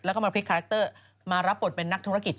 แล้วก็มาพลิกคาแรคเตอร์มารับบทเป็นนักธุรกิจ